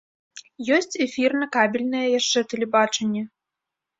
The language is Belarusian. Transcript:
Ёсць эфірна-кабельнае яшчэ тэлебачанне.